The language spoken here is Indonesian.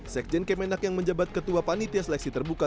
sekjen kemenak yang menjabat ketua panitia seleksi terbuka